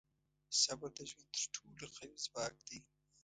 • صبر د ژوند تر ټولو قوي ځواک دی.